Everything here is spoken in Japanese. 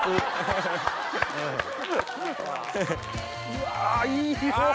うわいい色！